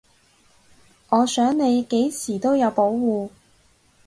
我想你幾時都有保護